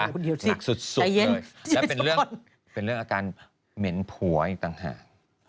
หนักสุดเลยและเป็นเรื่องเป็นเรื่องอาการเหม็นผัวอีกต่างหาก